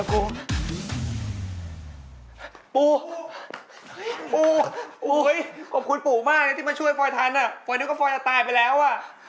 ปูปูปูขอบคุณปูมากที่มาช่วยฟอยทันฟอยนึกว่าฟอยจะตายไปแล้ว